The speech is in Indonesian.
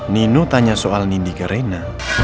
nino tanya soal nindi ke reina